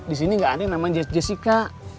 di sini nggak ada yang namanya jessica